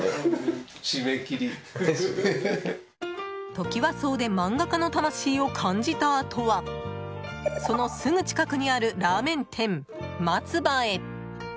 トキワ荘で漫画家の魂を感じたあとはそのすぐ近くにあるラーメン店松葉へ。